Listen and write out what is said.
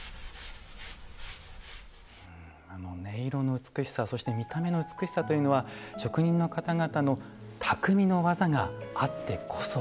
音色の美しさそして見た目の美しさというのは職人の方々の匠の技があってこそなんですね。